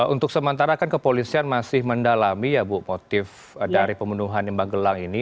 untuk sementara kan kepolisian masih mendalami ya bu motif dari pemenuhan mbak gelang ini